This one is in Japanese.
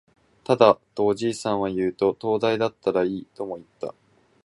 ただ、とおじさんは言うと、灯台だったらいい、とも言った